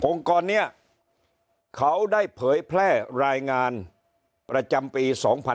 กรนี้เขาได้เผยแพร่รายงานประจำปี๒๕๖๒